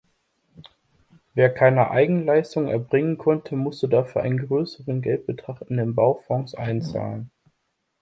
Wer keine Eigenleistung erbringen konnte, musste dafür einen größeren Geldbetrag in den Baufonds einzahlen.